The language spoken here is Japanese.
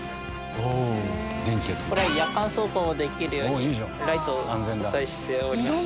これは夜間走行もできるようにライトを搭載しております。